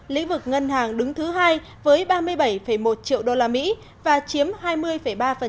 lĩnh vực ngân hàng đứng thứ hai với ba mươi bảy một triệu usd và chiếm hai mươi ba tổng vốn đầu tư